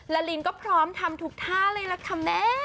ละลินก็พร้อมทำทุกท่าเลยล่ะค่ะแม่